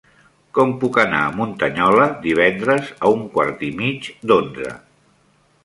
Com puc anar a Muntanyola divendres a un quart i mig d'onze?